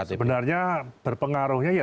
sebenarnya berpengaruhnya ya